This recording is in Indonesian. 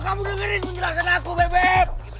kamu dengerin penjelasan aku bebek